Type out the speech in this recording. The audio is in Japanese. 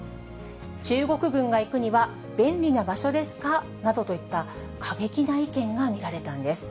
中国軍が行くには便利な場所ですか？などといった過激な意見が見られたんです。